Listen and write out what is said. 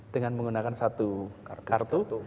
dengan menggunakan satu kartu